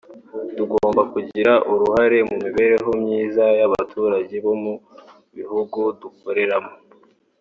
tugomba kugira uruhare mu mibereho myiza y’abaturage bo mu bihugu dukoreramo